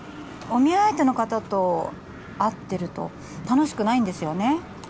お見合い相手の方と会ってると楽しくないんですよね